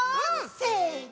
せの。